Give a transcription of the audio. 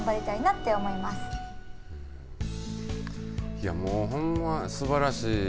いや、もうほんますばらしい。